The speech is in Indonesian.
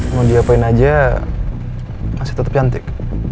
mau diapain aja masih tetap cantik